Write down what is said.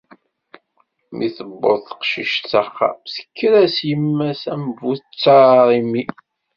Mi tuweḍ teqcict s axxam, tekker-as yemma-s am bu ttar, imi